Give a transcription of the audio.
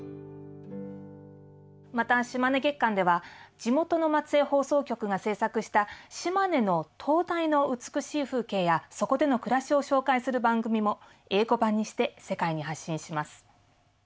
また「島根月間」では地元の松江放送局が制作した島根の灯台の美しい風景やそこでの暮らしを紹介する番組も英語版にして世界に発信します。